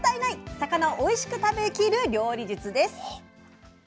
魚をおいしく食べきる料理術です。